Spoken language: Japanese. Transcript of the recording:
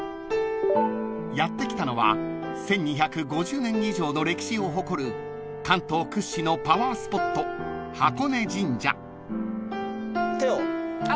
［やって来たのは１，２５０年以上の歴史を誇る関東屈指のパワースポット］あるんだ。